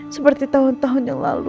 seperti tahun tahun yang lalu